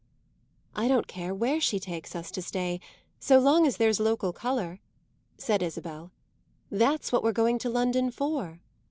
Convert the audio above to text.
"I don't care where she takes us to stay, so long as there's local colour," said Isabel. "That's what we're going to London for."